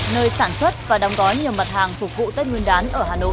nơi sản xuất và đóng gói nhiều mặt hàng phục vụ tết nguyên đán ở hà nội